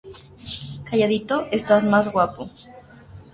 Calladito estás más guapo